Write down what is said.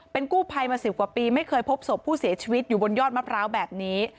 กู้ภัยมา๑๐กว่าปีไม่เคยพบศพผู้เสียชีวิตอยู่บนยอดมะพร้าวแบบนี้